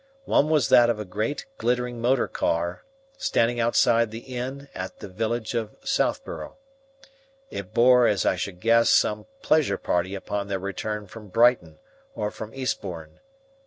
One was that of a great, glittering motor car standing outside the inn at the village of Southborough. It bore, as I should guess, some pleasure party upon their return from Brighton or from Eastbourne.